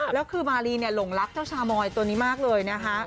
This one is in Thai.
แล้วคือมารีเนี่ยหลงรักเจ้าชาวมอยตัวนี้มากเลยนะคะ